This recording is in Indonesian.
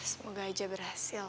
semoga aja berhasil